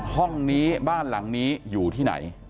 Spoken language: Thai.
ห้องนี้บ้านหลังนี้อยู่ที่ไหน